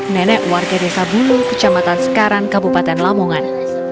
nenek warga desa bulu kecamatan sekaran kabupaten lamongan